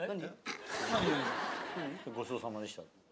ごちそうさまでした。